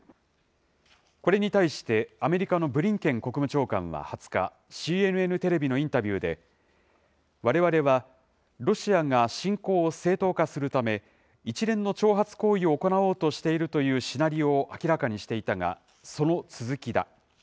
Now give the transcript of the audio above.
これに対して、アメリカのブリンケン国務長官は２０日、ＣＮＮテレビのインタビューで、われわれはロシアが侵攻を正当化するため、一連の挑発行為を行おうとしているというシナリオを明らかにしていたが、その続きだ。